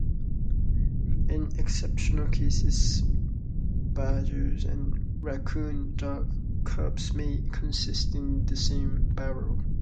In exceptional cases, badger and raccoon dog cubs may coexist in the same burrow.